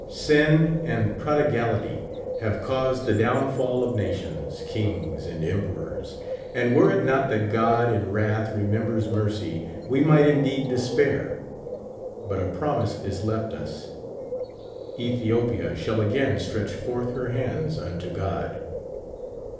Sin and prodi gality have caused the downfall of nations, kings, and emperors ; and' were it not that God in wrath remembers mercy, we might indeed despair ; but a promise is left us: "Ethiopia shall again stretch forth her hands unto God."